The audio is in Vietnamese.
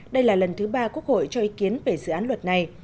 đây là lần thứ ba quốc hội cho ý kiến về dự án luật này